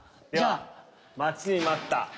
では待ちに待った。